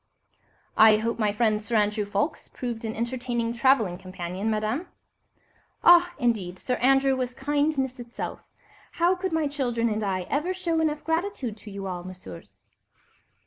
"I hope my friend, Sir Andrew Ffoulkes, proved an entertaining travelling companion, Madame?" "Ah, indeed, Sir Andrew was kindness itself. How could my children and I ever show enough gratitude to you all, Messieurs?"